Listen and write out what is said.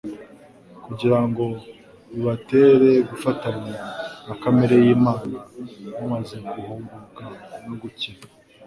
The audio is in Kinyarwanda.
kugira ngo bibatere gufatanya na kamere y'Imana, mumaze guhuruga no gukira